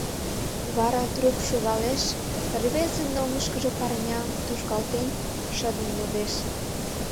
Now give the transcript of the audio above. Вара трук шогалеш, рвезын оҥышкыжо парням тушкалтен, шыдын йодеш: